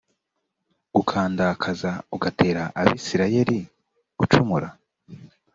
ukandakaza ugatera abisirayeli gucumura